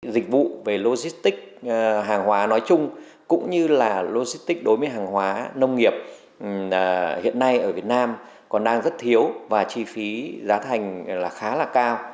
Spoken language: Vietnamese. dịch vụ về logistics hàng hóa nói chung cũng như là logistics đối với hàng hóa nông nghiệp hiện nay ở việt nam còn đang rất thiếu và chi phí giá thành khá là cao